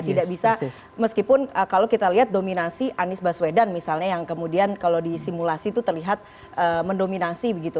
tidak bisa meskipun kalau kita lihat dominasi anies baswedan misalnya yang kemudian kalau disimulasi itu terlihat mendominasi begitu